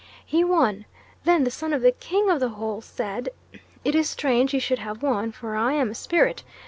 He won then the son of the King of the Hole said, 'It is strange you should have won, for I am a spirit.